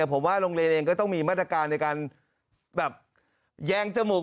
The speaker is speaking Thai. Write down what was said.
ผมว่าโรงเรียนเองก็ต้องมีมาตรการในการแบบแยงจมูก